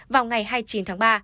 vào ngày hai mươi chín tháng ba